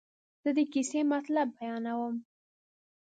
زه د کیسې مطلب بیانوم.